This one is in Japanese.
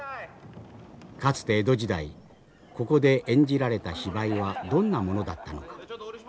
かつて江戸時代ここで演じられた芝居はどんなものだったのか。